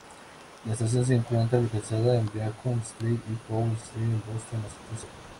La estación se encuentra localizada en Beacon Street y Powell Street en Boston, Massachusetts.